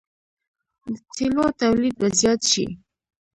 د تیلو تولید به زیات شي.